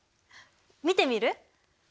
見てみる？